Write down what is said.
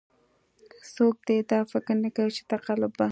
څوک دې دا فکر نه کوي چې تقلب به.